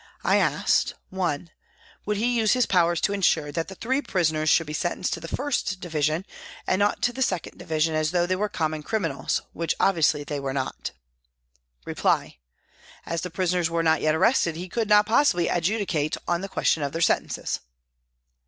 I asked : (1) Would he use his powers to ensure that the three prisoners should be sentenced to the 1st Division, and not to the 2nd Division as though they were common criminals, which obviously they were not ? Reply : As the prisoners were not yet arrested he could not possibly adjudicate on the question of their sentences.